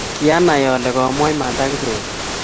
Kianai ane ale komwaa imanda Kiprono